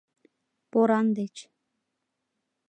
поран деч.